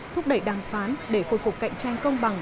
thúc đẩy đàm phán để khôi phục cạnh tranh công bằng